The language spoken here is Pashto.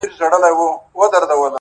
څه لېونۍ شاني گناه مي په سجده کي وکړه؛